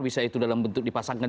bisa itu dalam bentuk dipasangkan